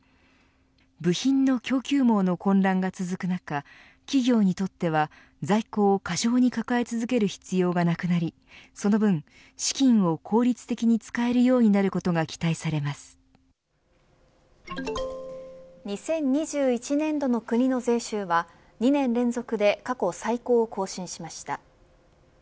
部品の供給網の混乱が続く中企業にとっては在庫を過剰に抱え続ける必要がなくなりその分、資金を効率的に使えるようになることが２０２１年度の国の税収は２年連続で過去最高を更新しました。